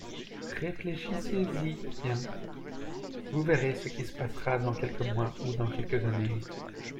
Réfléchissez-y bien : vous verrez ce qui se passera dans quelques mois ou dans quelques années.